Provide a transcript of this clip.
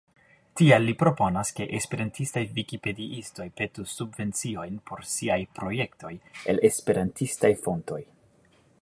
Tial li proponas, ke esperantistaj vikipediistoj petu subvenciojn por siaj projektoj el esperantistaj fontoj.